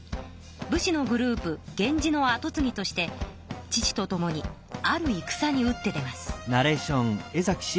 武士のグループ源氏のあとつぎとして父とともにあるいくさに打って出ます。